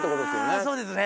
ああそうですね。